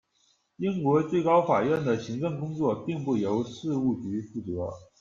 英国最高法院的行政工作并不由事务局负责。